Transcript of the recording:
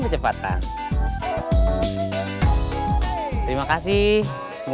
biasanya yang di jamret itu